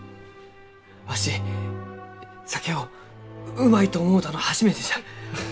わし酒をうまいと思うたの初めてじゃ！